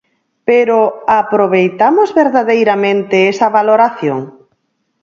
¿Pero aproveitamos verdadeiramente esa valoración?